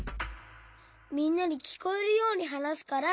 みんなにきこえるようにはなすから。